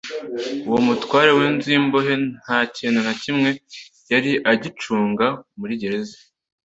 uwo mutware w’inzu y’imbohe nta kintu na kimwe yari agicunga muri gereza